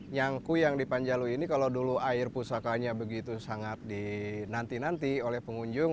nyangku yang di panjalu ini kalau dulu air pusakanya begitu sangat dinanti nanti oleh pengunjung